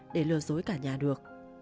để lừa dối cả nhà được